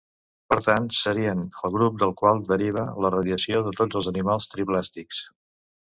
Per tant, serien el grup del qual deriva la radiació de tots els animals triblàstics.